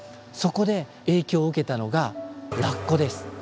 そこで影響を受けたのがラッコです。